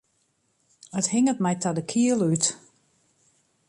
It hinget my ta de kiel út.